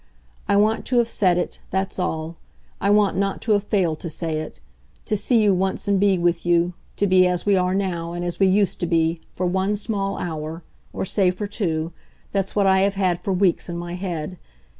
I want to have said it that's all; I want not to have failed to say it. To see you once and be with you, to be as we are now and as we used to be, for one small hour or say for two that's what I have had for weeks in my head.